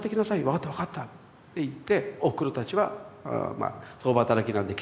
「分かった分かった」って言っておふくろたちはまあ共働きなんで喫茶店へ行っちゃう。